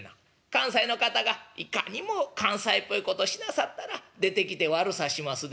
「関西の方がいかにも関西っぽいことしなさったら出てきて悪さしますで」。